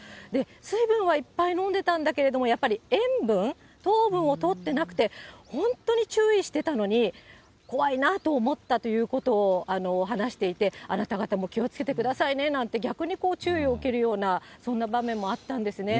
水分はいっぱい飲んでたんだけれども、やっぱり塩分、糖分をとってなくて、本当に注意してたのに怖いなと思ったということを話していて、あなた方も気をつけてくださいねなんて、逆に注意を受けるような、そんな場面もあったんですね。